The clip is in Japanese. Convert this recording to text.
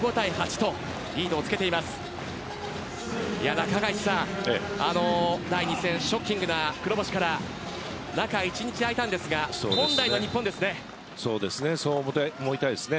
中垣内さん、第２戦ショッキングな黒星から中１日空いたんですが本来の日本ですね。そう思いたいですね。